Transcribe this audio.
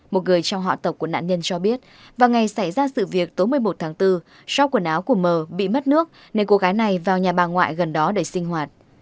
một người trong họ tộc của nạn nhân cho biết vào ngày xảy ra sự việc tối một mươi một tháng bốn sau quần áo của mờ bị mất nước nên cô gái này vào nhà bà ngoại gần đó để sinh hoạt